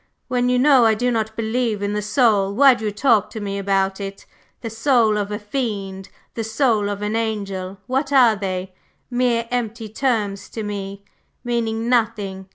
"When you know I do not believe in the soul, why do you talk to me about it? The soul of a fiend, the soul of an angel, what are they? Mere empty terms to me, meaning nothing.